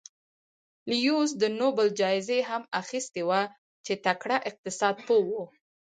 لیوس د نوبل جایزه هم اخیستې وه چې تکړه اقتصاد پوه و.